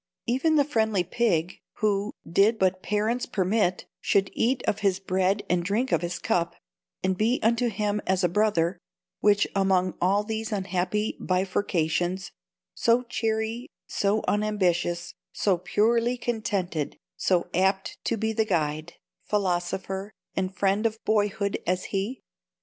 Even the friendly pig, who (did but parents permit) should eat of his bread and drink of his cup, and be unto him as a brother,—which among all these unhappy bifurcations, so cheery, so unambitious, so purely contented, so apt to be the guide, philosopher, and friend of boyhood as he?